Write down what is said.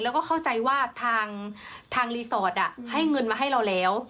แล้วก็เข้าใจว่าทางรีสอร์ทให้เงินมาให้เราแล้ว